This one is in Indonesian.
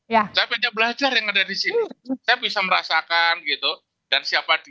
saya banyak belajar yang ada di sini saya bisa merasakan gitu dan siapa dia